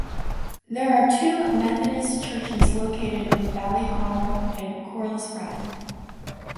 There are two Methodist churches located in Ballyconnell and Corlespratten.